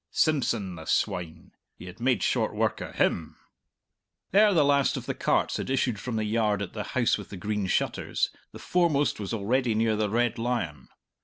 Simpson, the swine! He had made short work o' him! Ere the last of the carts had issued from the yard at the House with the Green Shutters the foremost was already near the Red Lion.